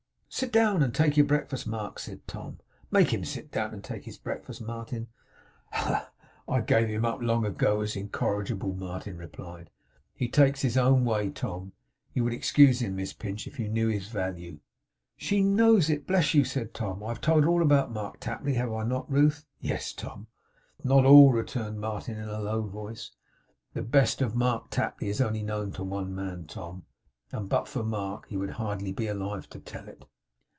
'Sit down, and take your breakfast, Mark,' said Tom. 'Make him sit down and take his breakfast, Martin.' 'Oh! I gave him up, long ago, as incorrigible,' Martin replied. 'He takes his own way, Tom. You would excuse him, Miss Pinch, if you knew his value.' 'She knows it, bless you!' said Tom. 'I have told her all about Mark Tapley. Have I not, Ruth?' 'Yes, Tom.' 'Not all,' returned Martin, in a low voice. 'The best of Mark Tapley is only known to one man, Tom; and but for Mark he would hardly be alive to tell it!